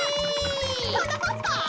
はなかっぱ？